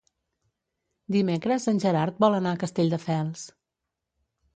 Dimecres en Gerard vol anar a Castelldefels.